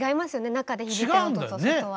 中で響いてる音と外は。